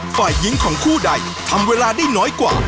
ฝ่ายหญิงของคู่ใดทำเวลาได้น้อยกว่า